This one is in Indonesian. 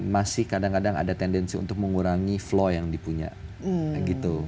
masih kadang kadang ada tendensi untuk mengurangi flow yang dipunya gitu